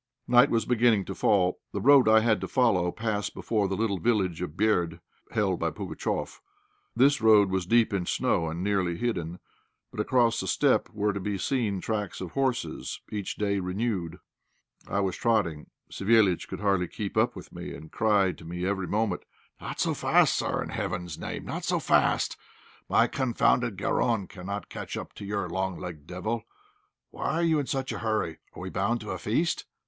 Night was beginning to fall. The road I had to follow passed before the little village of Berd, held by Pugatchéf. This road was deep in snow, and nearly hidden; but across the steppe were to be seen tracks of horses each day renewed. I was trotting. Savéliitch could hardly keep up with me, and cried to me every minute "Not so fast, sir, in heaven's name not so fast! My confounded 'garron' cannot catch up your long legged devil. Why are you in such a hurry? Are we bound to a feast?